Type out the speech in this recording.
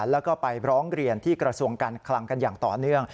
แล้วก็ไปร้องเรียนที่กระทรวงการคลังกันอย่างต่อเนื่อง